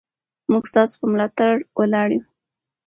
موږ ستاسو په ملاتړ ولاړ یو.